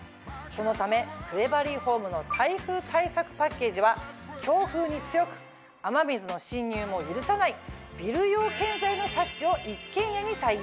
そのためクレバリーホームの台風対策パッケージは強風に強く雨水の浸入も許さないビル用建材のサッシを一軒家に採用。